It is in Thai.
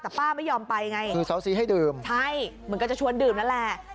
แต่ป้าไม่ยอมไปไงใช่เหมือนกันจะชวนดื่มนั่นแหละศาสตีให้ดื่ม